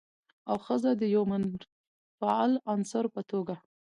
او ښځه د يوه منفعل عنصر په توګه